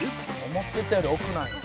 「思ってたより奥なんや」